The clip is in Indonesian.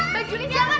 mbak julia jangan